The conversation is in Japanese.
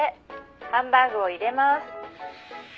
「ハンバーグを入れます」